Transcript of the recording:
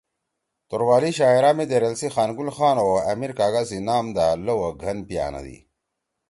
توروالی شاعرا می دیریل سی خان گل خان او آمیر کاگا سی نام دا لؤ او گھن پیِاندی۔